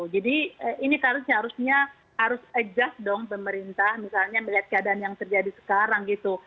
jadi ini seharusnya harus adjust dong pemerintah misalnya melihat keadaan yang terjadi sekarang gitu